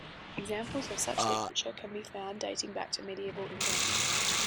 Examples of such literature can be found dating back to Medieval England.